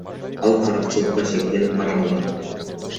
Ал каракчылыкка шектелип кармалган.